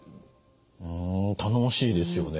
頼もしいですよね。